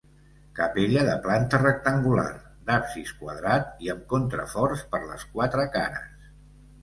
Capella de planta rectangular, d'absis quadrat i amb contraforts per les quatre cares.